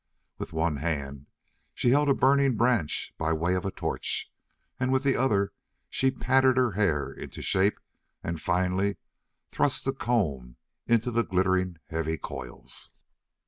With one hand she held a burning branch by way of a torch, and with the other she patted her hair into shape and finally thrust the comb into the glittering, heavy coils.